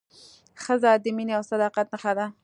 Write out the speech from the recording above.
ښځه د مینې او صداقت نښه ده.